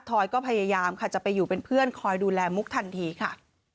อยก็พยายามค่ะจะไปอยู่เป็นเพื่อนคอยดูแลมุกทันทีค่ะ